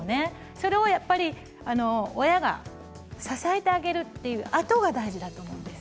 それを親が支えてあげるというあとが大事だと思うんです。